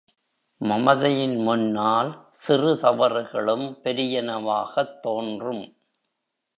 மமதையின் முன்னால் சிறு தவறுகளும் பெரியனவாகத் தோன்றும்.